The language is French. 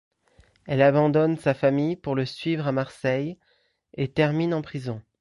Elle abandonne sa famille pour le suivre à Marseille et termine en prison.